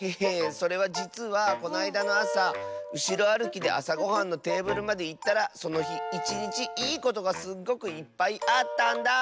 それはじつはこないだのあさうしろあるきであさごはんのテーブルまでいったらそのひいちにちいいことがすっごくいっぱいあったんだ。